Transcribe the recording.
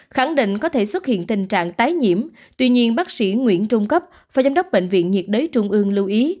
khẳng định có thể xuất hiện tình trạng tái nhiễm tuy nhiên bác sĩ nguyễn trung cấp phó giám đốc bệnh viện nhiệt đới trung ương lưu ý